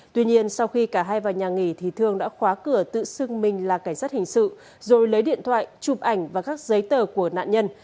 tuy nhiên sau khi cả hai vào nhà nghỉ thì thương đã khóa cửa tự xưng mình là cảnh sát hình sự rồi lấy điện thoại chụp ảnh và các giấy tờ của nạn nhân